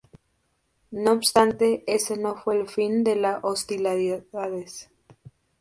No obstante, ese no fue el fin de las hostilidades.